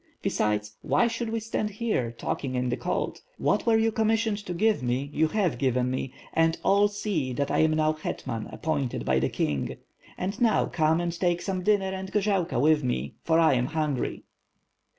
Besides, why should we stand here talking in the cold? What you were commissioned to. give me, you have given me; and all see that I am now hetman appointed by the king. And now come and take some dinner and gorzalka with me, for I am hungry."